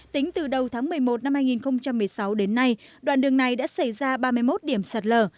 tính từ đầu tháng một mươi một năm hai nghìn một mươi sáu đến nay đoạn đường này đã xảy ra ba mươi một điểm sạt lở